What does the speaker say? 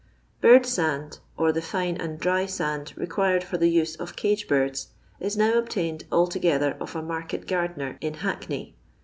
Bird ^and, or the fine and dry sand required for the use of cage birds, is now obtained al together of a market gardener in Hackney.